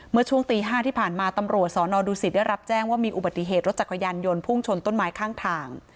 เมื่อช่วงตี๕ที่ผ่านมาตำรวจสนดูสิตได้รับแจ้งว่ามีอุบัติเหตุรถจักรยานยนต์พุ่งชนต้นไม้ข้างทาง